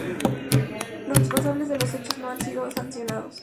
Los responsables de los hechos no han sido sancionados.